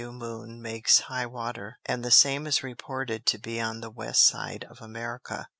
Moon makes High water, and the same is reported to be on the West side of America.